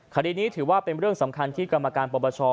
คดีนี้ถือว่าเป็นเรื่องสำคัญที่กรรมการปปช